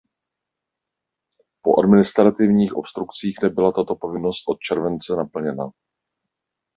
Po administrativních obstrukcích nebyla tato povinnost od července naplněna.